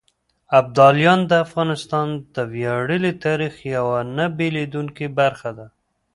ابداليان د افغانستان د وياړلي تاريخ يوه نه بېلېدونکې برخه ده.